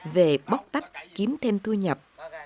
về bóc tắt kiếm thêm thu nhập